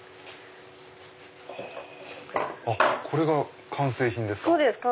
これが完成品ですか。